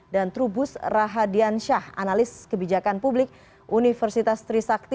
dan trubus rahadian syah analis kebijakan publik universitas trisakti